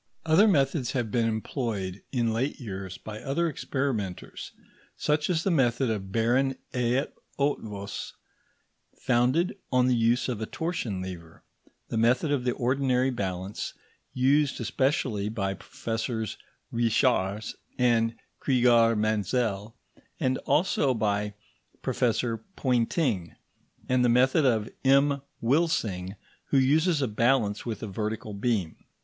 Other methods have been employed in late years by other experimenters, such as the method of Baron Eötvös, founded on the use of a torsion lever, the method of the ordinary balance, used especially by Professors Richarz and Krigar Menzel and also by Professor Poynting, and the method of M. Wilsing, who uses a balance with a vertical beam.